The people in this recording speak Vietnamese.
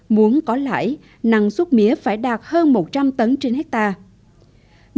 muốn có lãi năng suất mía phải đạt hơn một trăm linh tấn trên hectare